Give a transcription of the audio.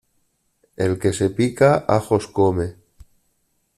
El que se pica ajos come.